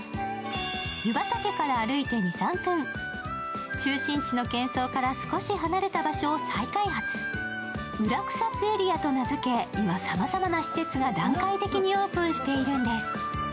湯畑から歩いて２３分、中心地のけん騒から少し離れた場所を再開発、裏草津エリアと名づけ、今さまざまな施設が段階的にオープンしているんです。